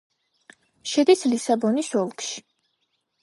შედის ლისაბონის ოლქში.